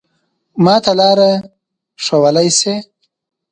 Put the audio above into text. ما ته لاره ښوولای شې؟